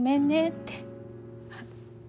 って。